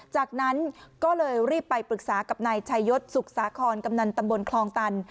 จากนั้นก็เลยรีบไปปรึกษากับนายชายศสุขสาคอนกำนันตำบลคลองตัน